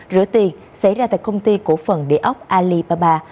rửa tiền xảy ra tại công ty cổ phần địa ốc alibaba